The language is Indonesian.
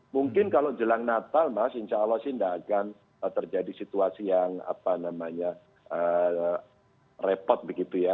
mungkin kalau jelang natal mas insya allah sih tidak akan terjadi situasi yang repot begitu ya